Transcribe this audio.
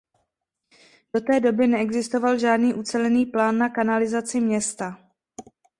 Do té doby neexistoval žádný ucelený plán na kanalizaci města.